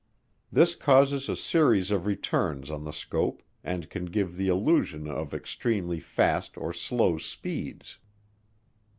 This causes a series of returns on the scope and can give the illusion of extremely fast or slow speeds.